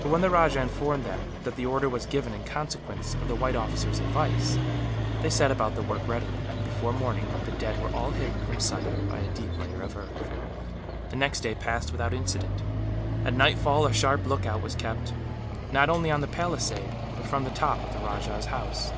But when the rajah informed them that the order was given in consequence of the white officer's advice, they set about the work readily and, before morning, the dead were all hidden from sight by a deep layer of earth. The next day passed without incident. At nightfall a sharp lookout was kept, not only on the palisade but from the top of the rajah's house.